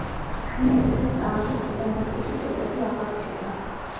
ხნიერ ხეს ტანზე ქვედა ნაწილში ტოტები აღარ რჩება.